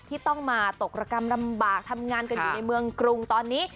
ที่ต้องมาตกระกรรมลำบากทำงานกันอยู่ในเมืองกรุงตอนนี้